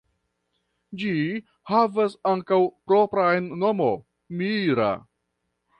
Ĝi havas ankaŭ propran nomo "Mira".